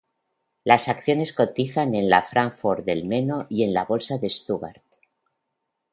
Las acciones cotizan en Fráncfort del Meno y en la bolsa de Stuttgart.